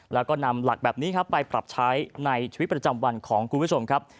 แล้วก็นำหลักแบบนี้ครับไปปรับใช้ในชีวิตประจำวันของคุณผู้ชมครับ